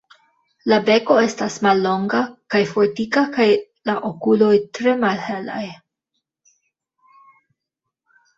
La beko estas mallonga kaj fortika kaj la okuloj tre malhelaj.